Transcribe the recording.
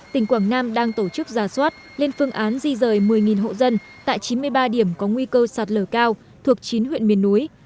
tỉnh quảng nam đang tổ chức giả soát lên phương án di rời một mươi hộ dân tại chín mươi ba điểm có nguy cơ sạt lở cao thuộc chín huyện miền núi